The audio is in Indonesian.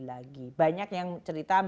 lagi banyak yang cerita